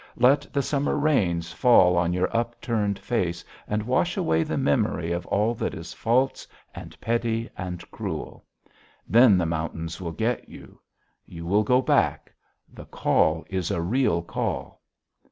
Let the summer rains fall on your upturned face and wash away the memory of all that is false and petty and cruel. Then the mountains will get you. You will go back. The call is a real call.